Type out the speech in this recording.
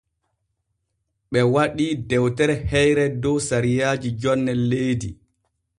Ɓe waɗii dewtere heyre dow sariyaaji jonne leydi.